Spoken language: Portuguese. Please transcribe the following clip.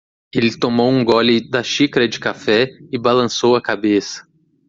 Ele tomou um gole da xícara de café e balançou a cabeça.